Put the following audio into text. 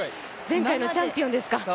前回のチャンピオンですか。